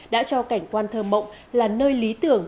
đã cho cảnh quan thơ mộng là nơi lý tưởng